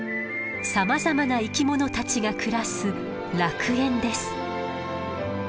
さまざまな生き物たちが暮らす楽園です。